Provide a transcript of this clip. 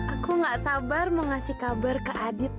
aku gak sabar mau ngasih kabar ke adit